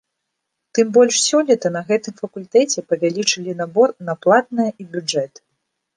Тым больш сёлета на гэтым факультэце павялічылі набор на платнае і бюджэт.